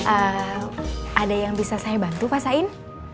ada yang bisa saya bantu pak sain